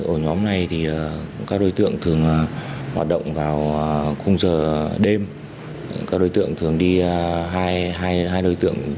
ổ nhóm này thì các đối tượng thường hoạt động vào khung giờ đêm các đối tượng thường đi hai đối tượng